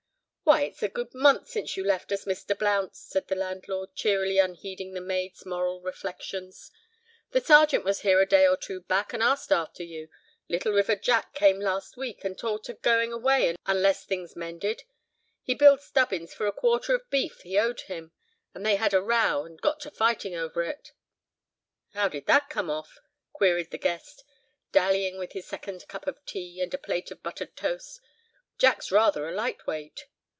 "Why, it's a good month since you left us, Mr. Blount," said the landlord, cheerily unheeding the maid's moral reflections. "The Sergeant was here a day or two back, and asked after you—Little River Jack came last week, and talked of going away unless things mended. He billed Stubbins for a quarter of beef he owed him, and they had a row, and got to fighting over it." "How did that come off?" queried the guest, dallying with his second cup of tea, and a plate of buttered toast. "Jack's rather a light weight."